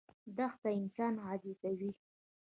دښته انسان عاجزوي.